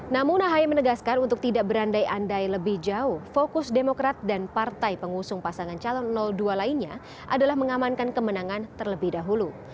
namun ahy menegaskan untuk tidak berandai andai lebih jauh fokus demokrat dan partai pengusung pasangan calon dua lainnya adalah mengamankan kemenangan terlebih dahulu